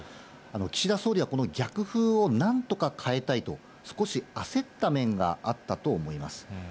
岸田総理はこの逆風をなんとか変えたいと少し焦った面があったと思います。